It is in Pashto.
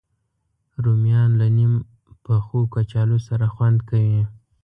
رومیان له نیم پخو کچالو سره خوند کوي